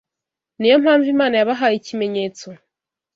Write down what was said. Ni yo mpamvu Imana yabahaye ikimenyetso